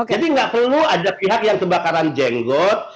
jadi tidak perlu ada pihak yang kebakaran jenggot